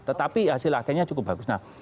tetapi hasil akhirnya cukup bagus